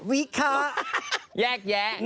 นั่นไงแยะแล้วก็